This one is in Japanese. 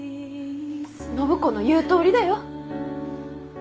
暢子の言うとおりだよ。